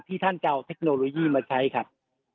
ท่านจะเอาเทคโนโลยีมาใช้ครับ